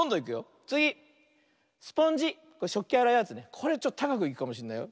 これちょっとたかくいくかもしれないよ。